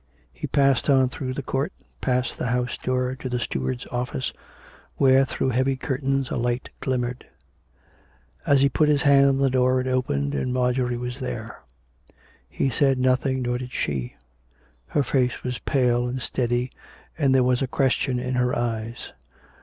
He passed on through the court, past the house door, to the steward's office, where through heavy curtains a light glimmered. As he put his hand on the door it opened, and Marjorie was there. He said nothing, nor did she. Her face was pale and steady, and there was a question in her eyes.